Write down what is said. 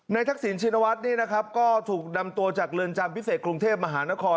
ทักษิณชินวัฒน์นี่นะครับก็ถูกนำตัวจากเรือนจำพิเศษกรุงเทพมหานคร